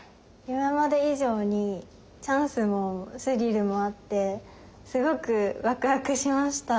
今まで以上にチャンスもスリルもあってすごくワクワクしました。